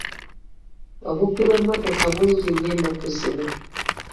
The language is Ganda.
Obubbi bw'emmotoka bungi nnyo ennaku zino